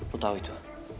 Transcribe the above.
lo tau itu